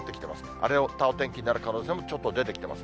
荒れたお天気になる可能性もちょっと出てきてます。